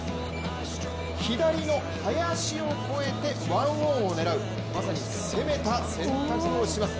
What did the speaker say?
左の林を越えて１オンを狙うまさに攻めた選択をします。